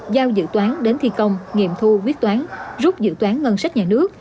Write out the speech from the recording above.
giao dự toán đến thi công nghiệm thu quyết toán rút dự toán ngân sách nhà nước